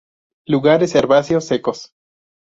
Lugares herbáceos secos.